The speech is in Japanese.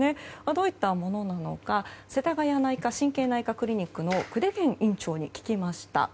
どういったものなのかせたがや内科・神経内科クリニックの久手堅院長に聞きました。